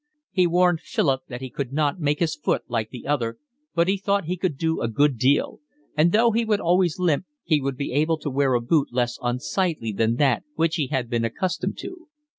He warned Philip that he could not make his foot like the other, but he thought he could do a good deal; and though he would always limp he would be able to wear a boot less unsightly than that which he had been accustomed to.